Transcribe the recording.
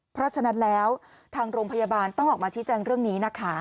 เพราะฉะนั้นแล้วทางโรงพยาบาลต้องออกมาชี้แจงเรื่องนี้นะคะ